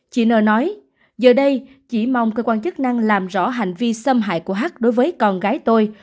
chị nơ nói giờ đây chị mong cơ quan chức năng làm rõ hành vi xâm hại của h đối với con gái tôi